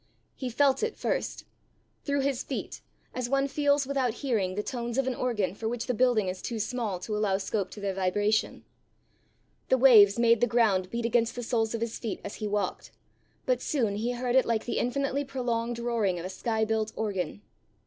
He felt it first through his feet, as one feels without hearing the tones of an organ for which the building is too small to allow scope to their vibration: the waves made the ground beat against the soles of his feet as he walked; but soon he heard it like the infinitely prolonged roaring of a sky built organ.